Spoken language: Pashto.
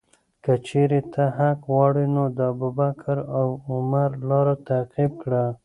که چیرې ته حق غواړې، نو د ابوبکر او عمر لاره تعقیب کړه.